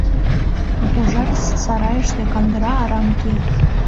А пожар сарайыште кандыра «арам» кия.